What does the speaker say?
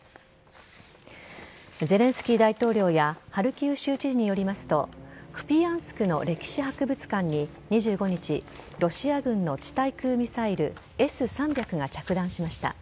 ゼレンスキー大統領やハルキウ州知事によりますとクピヤンスクの歴史博物館に２５日ロシア軍の地対空ミサイルＳ‐３００が着弾しました。